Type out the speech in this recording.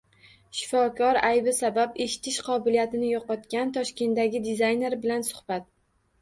Shifokor aybi sabab eshitish qobiliyatini yo‘qotgan Toshkentdagi dizayner bilan suhbat